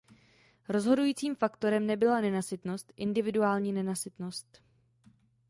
Rozhodujícím faktorem nebyla nenasytnost, individuální nenasytnost.